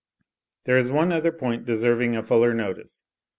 There is one other point deserving a fuller notice.